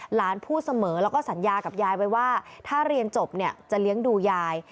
หลานพูดเสมอแล้วก็สัญญากับยายไว้ว่าถ้าเรียนจบเนี่ยจะเลี้ยงดูยาย